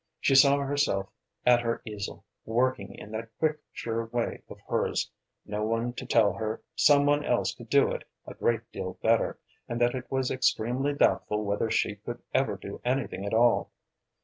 She saw herself at her easel, working in that quick, sure way of hers, no one to tell her some one else could do it a great deal better, and that it was extremely doubtful whether she could ever do anything at all.